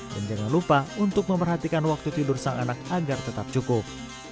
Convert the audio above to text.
dan jangan lupa untuk memperhatikan waktu tidur sang anak agar tetap cukup